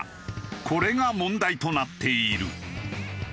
これが問題となっている。